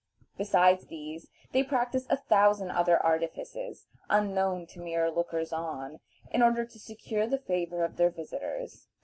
Besides these they practice a thousand other artifices, unknown to mere lookers on, in order to secure the favor of their visitors.